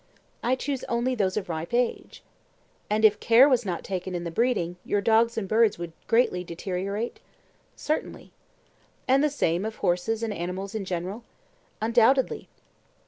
I choose only those of ripe age. And if care was not taken in the breeding, your dogs and birds would greatly deteriorate? Certainly. And the same of horses and animals in general? Undoubtedly.